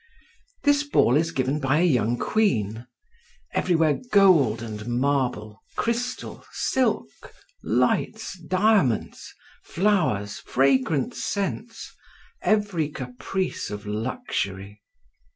This ball is given by a young queen. Everywhere gold and marble, crystal, silk, lights, diamonds, flowers, fragrant scents, every caprice of luxury."